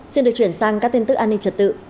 xin được chuyển sang các tin tức an ninh trật tự